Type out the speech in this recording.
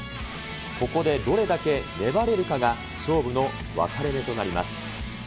ここでどれだけ粘れるかが、勝負の分かれ目となります。